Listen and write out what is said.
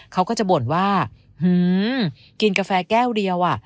เขาก็จะบ่นว่ากินกาแฟแก้วเดียวอ่ะ